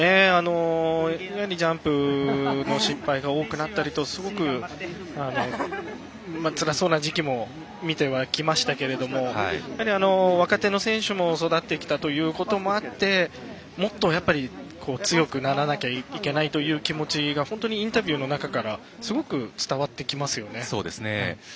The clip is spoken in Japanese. ジャンプの失敗が多くなったりとすごくつらそうな時期も見てはきましたけども若手の選手も育ってきたということもあってもっと、強くならなきゃいけないという気持ちが本当にインタビューの中からすごく伝わってきますよね。